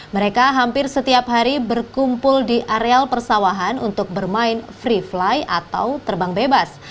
mereka hampir setiap hari berkumpul di areal persawahan untuk bermain free fly atau terbang bebas